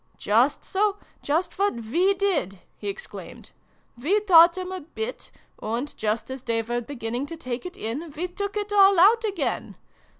" Just so, just what we did !" he exclaimed. " We taught 'em a bit, and, just as they were beginning to take it in, we took it all out again